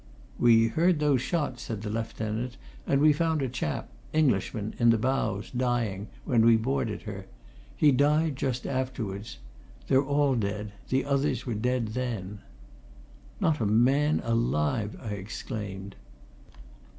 "We heard those shots," said the lieutenant, "and we found a chap Englishman in the bows, dying, when we boarded her. He died just afterwards. They're all dead the others were dead then." "Not a man alive!" I exclaimed.